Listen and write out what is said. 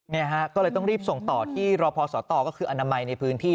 เนี่ยฮะก็เลยต้องรีบส่งต่อที่รอพอสตก็คืออนามัยในพื้นที่